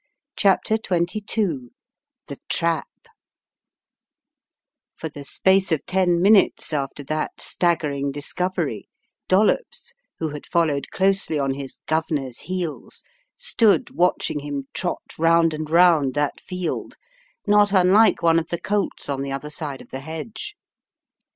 CHAPTER XXH THE TRAP FOR the space of ten minutes after that staggering discovery Dollops, who had fol lowed closely on his "Gov'norV heels, stood watching him trot round and round that field, not unlike one of the colts on the other side of the hedge.